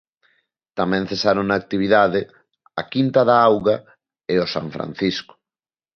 Tamén cesaron a actividade "A quinta da Auga" e o "San Francisco".